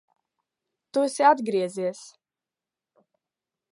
Tu esi atgriezies!